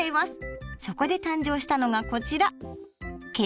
そこで誕生したのがこちら。